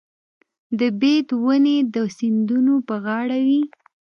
د بید ونې د سیندونو په غاړه وي.